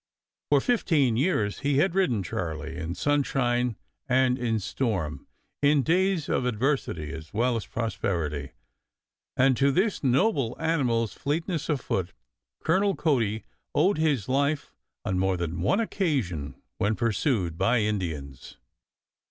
For fifteen years he had ridden Charlie in sunshine and in storm, in days of adversity as well as prosperity, and to this noble animal's fleetness of foot Colonel Cody owed his life on more than one occasion when pursued by Indians.